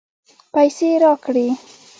پیسې راکړې.